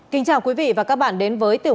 kính chào quý vị và các bạn đến với tiếp tục